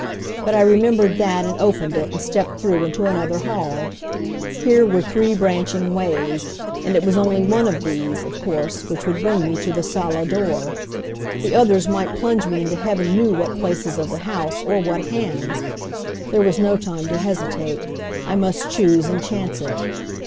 But I remembered that and opened it and stepped through into another hall. Here were three branching ways, and it was only one of these, of course, which would bring me to the sala door. The others might plunge me into Heaven knew what places of the house, or what hands! There was no time to hesitate, I must choose and chance it!